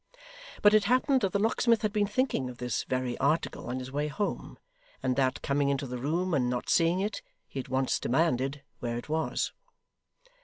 But it happened that the locksmith had been thinking of this very article on his way home, and that, coming into the room and not seeing it, he at once demanded where it was.